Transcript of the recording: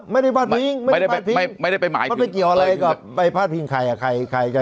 ไม่ได้ไปพาดพิงเขาไปเกี่ยวอะไรกับไปพาดพิงใคร